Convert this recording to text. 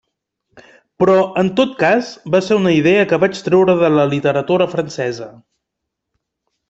Però, en tot cas, va ser una idea que vaig treure de la literatura francesa.